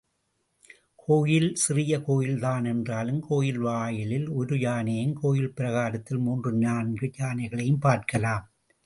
கோயில் சிறிய கோயில்தான் என்றாலும், கோயில் வாயிலில் ஒரு யானையும், கோயில் பிராகாரத்தில் மூன்று நான்கு யானைகளையும் பார்க்கலாம்.